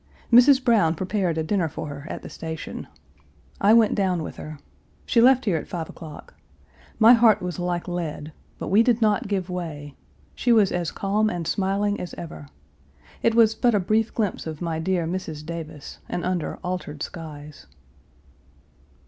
Mrs. Brown prepared a dinner for her at the station. Page 378 I went down with her. She left here at five o'clock. My heart was like lead, but we did not give way. She was as calm and smiling as ever. It was but a brief glimpse of my dear Mrs. Davis, and under altered skies.